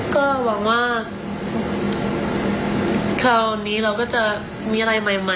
ก็หวังว่าคราวนี้เราก็จะมีอะไรใหม่